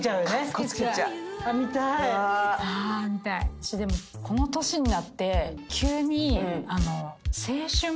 私でもこの年になって急に。